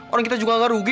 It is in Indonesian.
orang kita juga agak rugi